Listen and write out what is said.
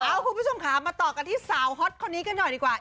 เอาคุณผู้ชมค่ะมาต่อกันที่สาวฮอตคนนี้กันหน่อยดีกว่า